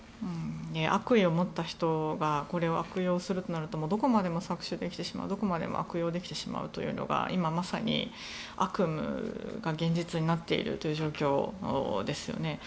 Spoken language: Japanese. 悪意を持った人がこれを悪用するとなるとどこまでも搾取できてしまうどこまでも悪用できてしまうと今まさに、悪夢が現実になっている状況ですよね。